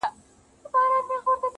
صفت زما مه كوه مړ به مي كړې~